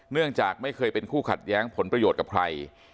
เนื่องจากไม่เคยเป็นคู่ขัดแย้งผลประโยชน์กับใคร